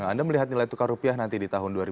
anda melihat nilai tukar rupiah nanti di tahun ini